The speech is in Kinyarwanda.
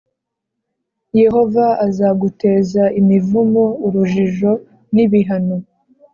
yehova azaguteza imivumo,+ urujijo+ n’ibihano+